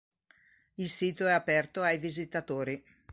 Il sito è aperto ai visitatori.